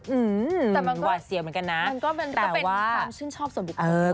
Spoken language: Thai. อืมว่าเสียวเหมือนกันนะแต่ว่ามันก็เป็นความชื่นชอบส่วนบิดกรมด้วย